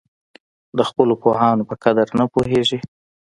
د خپلو پوهانو په قدر نه پوهېږي.